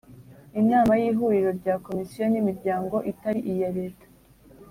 Inama y’Ihuriro rya Komisiyo n’Imiryango itari iya Leta